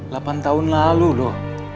lapan tahun lalu loh